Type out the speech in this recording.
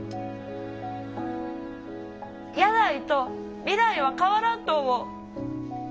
やないと未来は変わらんと思う。